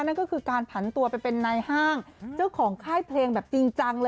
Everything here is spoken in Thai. นั่นก็คือการผันตัวไปเป็นนายห้างเจ้าของค่ายเพลงแบบจริงจังเลย